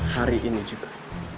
hari ini juga